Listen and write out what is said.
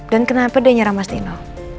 dan kenapa dia nyarang mas dino